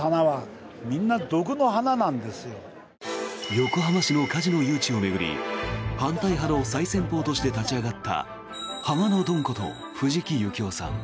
横浜市のカジノ誘致を巡り反対派の最先鋒として立ち上がったハマのドンこと藤木幸夫さん。